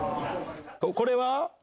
これは？